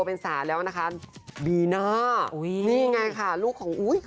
เป็นสาแล้วนะคะดีนะให้น่ารูเปลี่ยน